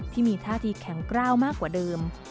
ที่มีท่าทีแข็งกล้าวมากกว่าเดิม